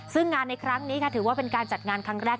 ซึ่งงานในครั้งนี้ค่ะถือว่าเป็นการจัดงานครั้งแรก